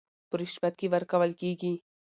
په رشوت کې ورکول کېږي